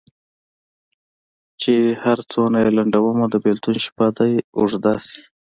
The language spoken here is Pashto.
چي هر څو یې لنډومه د بېلتون شپه دي اوږده سي